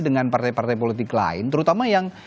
dengan partai partai politik lain terutama yang